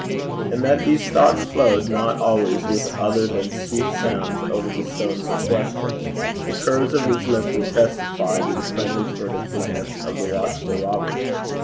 And that these thoughts flowed not always with other than sweet sounds over the stones of question, the curves of his lip would testify to the friendly, furtive glance of the watchful Robert.